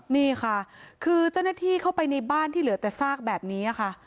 นี่ค่ะคือเจ้าหน้าที่เข้าไปในบ้านที่เหลือแต่ซากแบบนี้ค่ะ